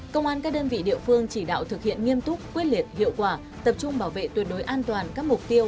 công an các đơn vị địa phương chỉ đạo thực hiện nghiêm túc quyết liệt hiệu quả tập trung bảo vệ tuyệt đối an toàn các mục tiêu